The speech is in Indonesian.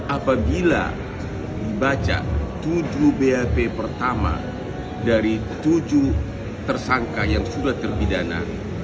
apabila dibaca tujuh bap pertama dari tujuh tersangka yang sudah terpidana